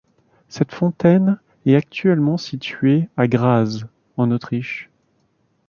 Cette fontaine est actuellement située à Graz en Autriche.